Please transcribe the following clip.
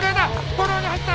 フォローに入った。